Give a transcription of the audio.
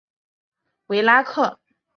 维拉克。